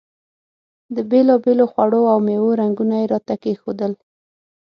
د بېلابېلو خوړو او میوو رنګونه یې راته کېښودل.